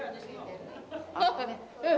うん。